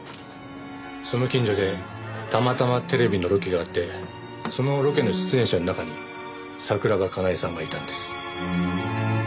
その近所でたまたまテレビのロケがあってそのロケの出演者の中に桜庭かなえさんがいたんです。